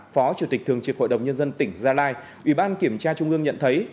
phó chủ tịch thường trực hội đồng nhân dân tỉnh gia lai ủy ban kiểm tra trung ương nhận thấy